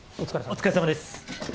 お疲れさまです